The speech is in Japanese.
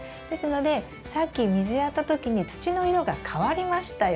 ですのでさっき水やった時に土の色が変わりましたよね。